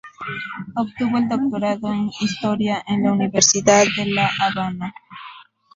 Obtuvo el doctorado en Historia en la Universidad de La Habana.